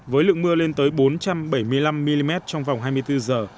với lượng mưa lên tới bốn trăm bảy mươi năm mm trong vòng hai mươi bốn giờ